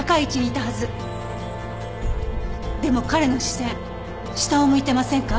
でも彼の視線下を向いてませんか？